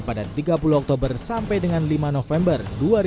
pada tiga puluh oktober sampai dengan lima november dua ribu dua puluh